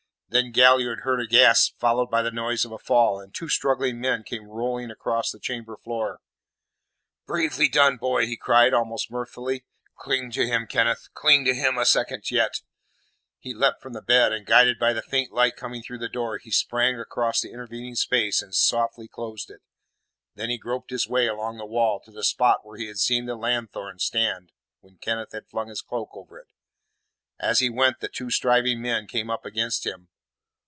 Then Galliard heard a gasp, followed by the noise of a fall, and two struggling men came rolling across the chamber floor. "Bravely done, boy!" he cried, almost mirthfully. "Cling to him, Kenneth; cling to him a second yet!" He leapt from the bed, and guided by the faint light coming through the door, he sprang across the intervening space and softly closed it. Then he groped his way along the wall to the spot where he had seen the lanthorn stand when Kenneth had flung his cloak over it. As he went, the two striving men came up against him.